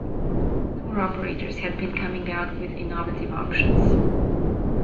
Tour operators had been coming out with innovative options.